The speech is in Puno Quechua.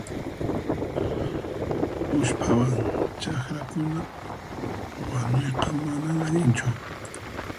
Usphawan chakrakuna wanuyqa manan allinchu.